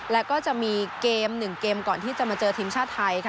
แล้วก็จะมีเกม๑เกมก่อนที่จะมาเจอทีมชาติไทยค่ะ